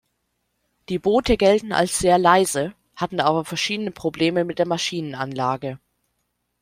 Die Boote gelten als sehr leise, hatten aber verschiedene Probleme mit der Maschinenanlage.